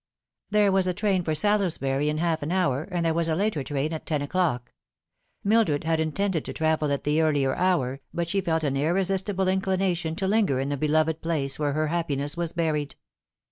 There was a train for Salisbury in half an hour, and there was a later train at ten o'clock. Mildred had intended to travel at the earlier hour, but she felt an irresistible inclination to linger in the beloved place where her happiness was buried.